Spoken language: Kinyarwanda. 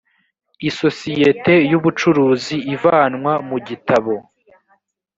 isosiyete y ubucuruzi ivanwa mu gitabo